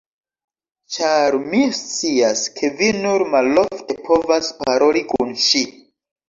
Ĉar mi scias, ke vi nur malofte povas paroli kun ŝi!